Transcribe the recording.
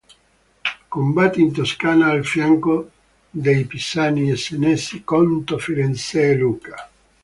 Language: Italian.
Combatté in Toscana al fianco dei pisani e senesi contro Firenze e Lucca.